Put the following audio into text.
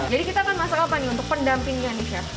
jadi kita akan masak apa nih untuk pendampingnya nih chef